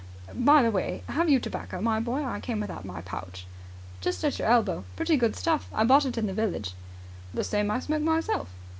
By the way, have you tobacco, my boy. I came without my pouch." "Just at your elbow. Pretty good stuff. I bought it in the village." "The same I smoke myself."